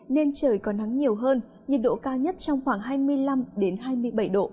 nên trời có nắng nhiều hơn nhiệt độ cao nhất trong khoảng hai mươi năm hai mươi bảy độ